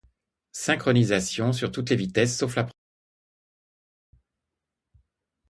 Synchronisation sur toutes les vitesses sauf la première.